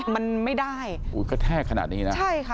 มันไม่ได้